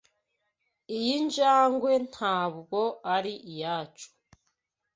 Iyi njangwe ntabwo ari iyacu.